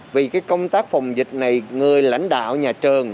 vì công tác phòng dịch này người lãnh đạo nhà trường